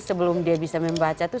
sebelum dia bisa membaca tuh